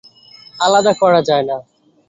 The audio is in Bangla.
আলাদা করা যায় না।